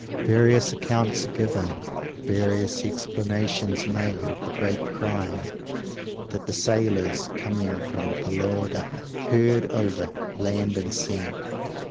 Various accounts are given; various explanations made; of the great cry, that the sailors, "coming from Paloda," heard over land and sea.